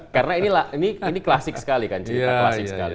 karena ini klasik sekali kan cerita klasik sekali